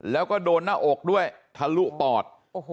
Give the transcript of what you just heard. แล้วก็โดนหน้าอกด้วยทะลุปอด